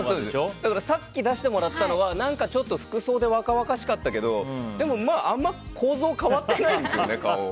だからさっき出してもらったのは服装で若々しかったけどでも、あんま構造は変わってないんですよね、顔。